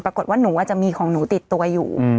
ปรากฏว่าหนูอาจจะมีของหนูติดตัวอยู่